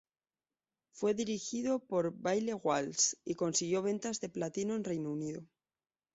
Fue dirigido por Baillie Walsh, y consiguió ventas de platino en Reino Unido.